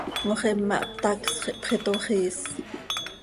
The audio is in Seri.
Moxima ihptacsx, ihpxitoxiis.